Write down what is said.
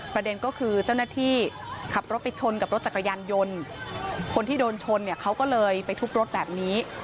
ประเด็นก็คือเจ้าหน้าที่ขับรถไปชนกับรถจักรยานยนต์คนที่โดนชนเนี่ยเขาก็เลยไปทุบรถแบบนี้